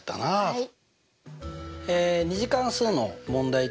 はい。